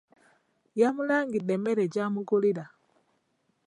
Yamulangidde emmere gy'amugulra.